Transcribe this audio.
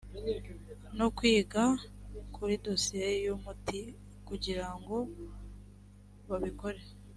no kwiga kuri dosiye y umuti kugira ngo babikore